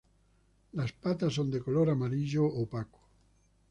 Las patas son de color amarillo opaco.